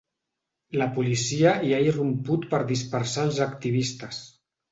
La policia hi ha irromput per dispersar els activistes.